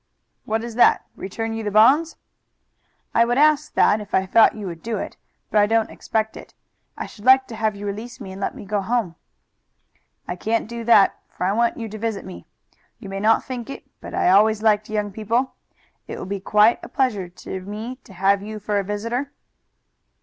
"What is that return you the bonds?" "I would ask that if I thought you would do it, but I don't expect it. I should like to have you release me and let me go home." "I can't do that, for I want you to visit me. You may not think it, but I always liked young people. It will be quite a pleasure to me to have you for a visitor."